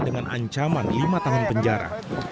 dengan ancaman lima tahun penjara